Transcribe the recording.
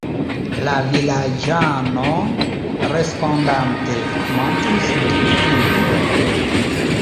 La vilaĝano, respondante, montris du fingrojn.